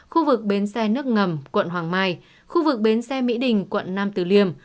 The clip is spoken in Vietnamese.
khu vực bến xe nước ngầm quận hoàng mai khu vực bến xe mỹ đình quận nam tử liêm